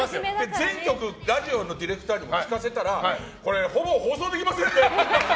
全曲ラジオのディレクターに聴かせたらこれ、ほぼ放送できませんねって。